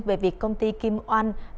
về việc công ty kim oanh